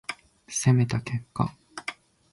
攻めた結果